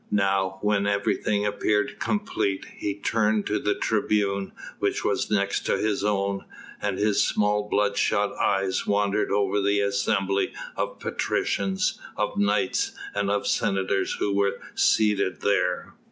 Now, when everything appeared complete, he turned to the tribune which was next to his own, and his small bloodshot eyes wandered over the assembly of patricians, of knights and of senators who were seated there.